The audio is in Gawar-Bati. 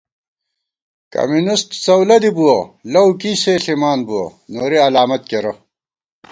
کمیونِسٹ څؤلہ دِی بُوَہ ، لؤ کی سے ݪِمانبُوَہ، نوری الامت کېرہ